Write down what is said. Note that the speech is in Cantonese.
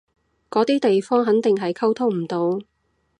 嗰啲地方肯定係溝通唔到